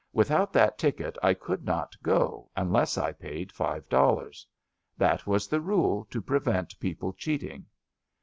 Without that ticket I could not go, unless I paid five dollars. That was the rule to prevent people cheating.